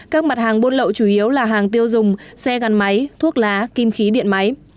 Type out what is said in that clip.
các mặt hàng buôn lậu chủ yếu là hàng tiêu dùng xe gắn máy thuốc lá kim khí điện máy